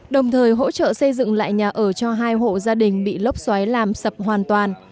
đồng thời hỗ trợ xây dựng lại nhà ở cho hai hộ gia đình bị lốc xoáy làm sập hoàn toàn